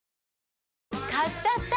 買っちゃった！